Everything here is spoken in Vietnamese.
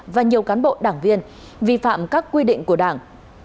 và nhiều cán bộ đảng viên vi phạm các quy định của đảng